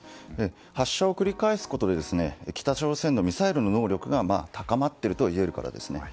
発射を繰り返すことで北朝鮮のミサイルの能力が高まっているといえるからですね。